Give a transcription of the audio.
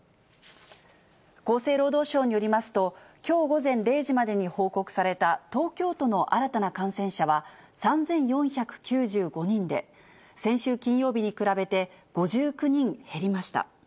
厚生労働省によりますと、きょう午前０時までに報告された東京都の新たな感染者は、３４９５人で、先週金曜日に比べて５９人減りました。